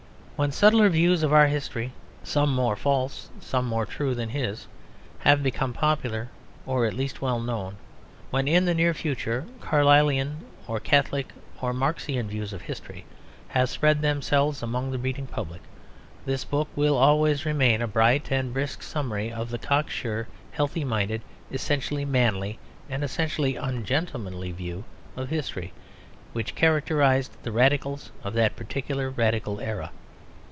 When subtler views of our history, some more false and some more true than his, have become popular, or at least well known, when in the near future Carlylean or Catholic or Marxian views of history have spread themselves among the reading public, this book will always remain as a bright and brisk summary of the cock sure, healthy minded, essentially manly and essentially ungentlemanly view of history which characterised the Radicals of that particular Radical era.